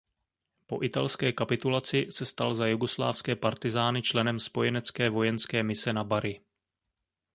Po italské kapitulaci se stal za jugoslávské partyzány členem spojenecké vojenské mise na Bari.